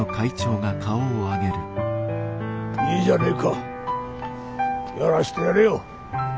いいじゃねえかやらしてやれよ。